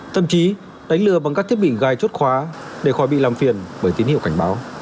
thậm chí đánh lừa bằng các thiết bị gai chốt khóa để khỏi bị làm phiền bởi tín hiệu cảnh báo